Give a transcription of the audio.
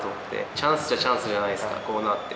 チャンスといえばチャンスじゃないですかコーナーって。